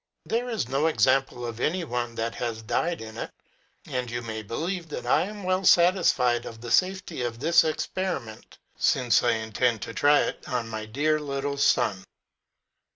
There is no example of any one that has died in it ; and you may believe I am well satisfied of the safety of this experiment, since I intend to try it on my dear little son.